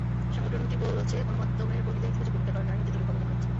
সংগঠনটি বলছে, গণমাধ্যমের কর্মীদের ইতিবাচক ভূমিকার কারণে নারী নির্যাতনের খবর জানা যাচ্ছে।